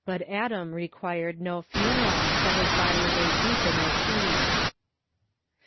Adam required no funeral, for his body lay deep in the sea.